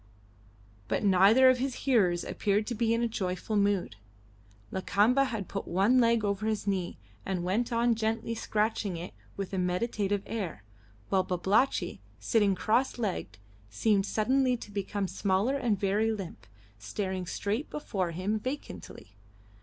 But neither of his hearers appeared to be in a joyful mood. Lakamba had put one leg over his knee, and went on gently scratching it with a meditative air, while Babalatchi, sitting cross legged, seemed suddenly to become smaller and very limp, staring straight before him vacantly.